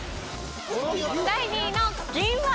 第２位の銀は。